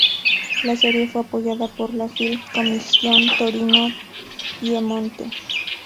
La serie fue apoyada por la Film Commission Torino Piemonte.